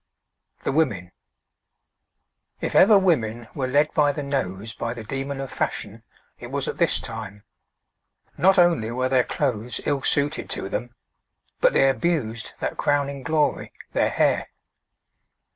THE WOMEN If ever women were led by the nose by the demon of fashion it was at this time. Not only were their clothes ill suited to them, but they abused that crowning glory, their hair.